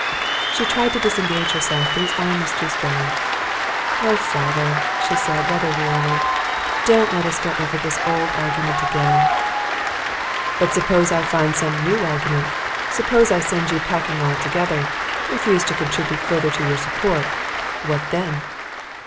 She tried to disengage herself, but his arm was too strong. "Oh, father," she said, rather wearily, "don't let us go over this old argument again." "But suppose I find some new argument? Suppose I send you packing altogether, refuse to contribute further to your support. What then?"